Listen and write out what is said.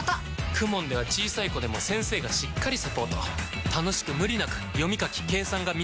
ＫＵＭＯＮ では小さい子でも先生がしっかりサポート楽しく無理なく読み書き計算が身につきます！